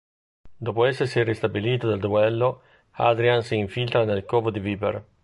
Dopo essersi ristabilito dal duello, Adrian si infiltra nel covo di Viper.